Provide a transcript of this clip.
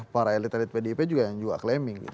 para elit elit pdip juga yang juga klaiming